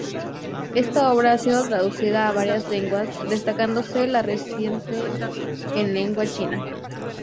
Esta obra ha sido traducida a varias lenguas, destacándose la reciente en lengua china.